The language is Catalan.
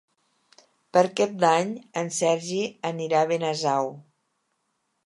Per Cap d'Any en Sergi anirà a Benasau.